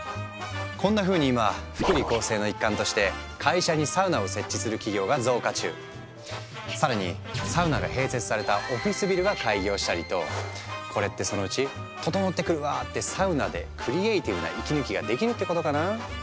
こんなふうに今更にサウナが併設されたオフィスビルが開業したりとこれってそのうち「ととのってくるわ」ってサウナでクリエーティブな息抜きができるってことかな？